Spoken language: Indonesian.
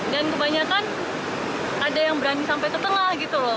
dan kebanyakan ada yang berani sampai ke tengah gitu loh